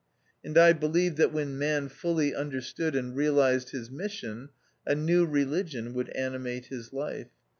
And I believed that when Man fully understood and realised his mission, a new religion would animate his life.